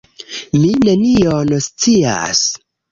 Mi nenion scias.